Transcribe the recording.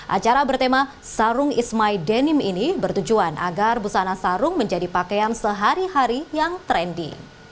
acara bertema sarung is my denim ini bertujuan agar busana sarung menjadi pakaian sehari hari yang trendy